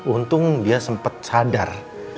untung dia sempet sadar